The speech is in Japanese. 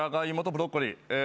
ブロッコリー。